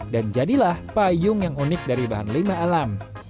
dan jadilah payung yang unik dari bahan limbah alam